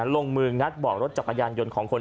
ลงมืองัดเบาะรถจักรยานยนต์ของคน